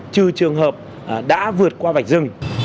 trừ trường hợp đã vượt qua vạch dừng